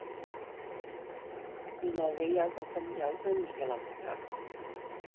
原來你有個咁有新意嘅諗法